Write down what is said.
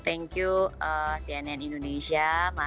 thank you cnn indonesia